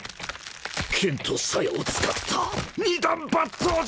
剣とさやを使った二段抜刀術！